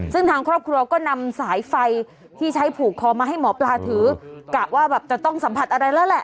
ซึ่งทางครอบครัวก็นำสายไฟที่ใช้ผูกคอมาให้หมอปลาถือกะว่าแบบจะต้องสัมผัสอะไรแล้วแหละ